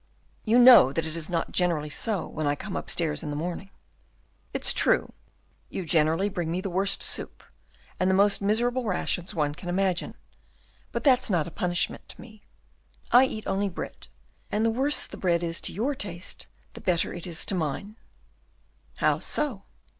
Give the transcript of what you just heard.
"You know that it is not generally so when I come upstairs in the morning." "It's true, you generally bring me the worst soup, and the most miserable rations one can imagine. But that's not a punishment to me; I eat only bread, and the worse the bread is to your taste, the better it is to mine." "How so?"